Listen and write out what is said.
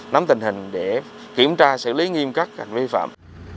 nắm tình hình để kiểm tra xử lý nghiêm cấp hành vi vi phạm